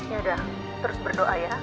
yaudah terus berdoa ya